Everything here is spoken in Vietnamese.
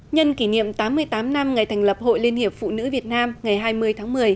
nhân kỷ niệm tám mươi tám năm ngày thành lập hội liên hiệp phụ nữ việt nam ngày hai mươi tháng một mươi